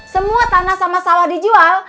semua tanah sama sawah dijual